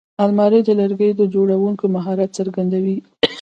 الماري د لرګیو جوړوونکي مهارت څرګندوي